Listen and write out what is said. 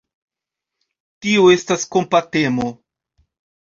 Tio estas kompatemo.